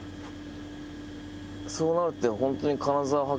そうなるとホントに。